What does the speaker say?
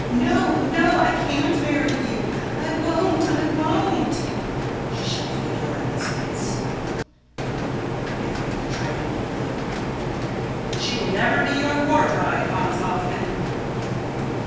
_] No, no, I can't marry you! I won't! I won't! [She shuts the door in his face.] Hedwig: [Triumphantly.] She will never be your war bride, Hans Hoffman!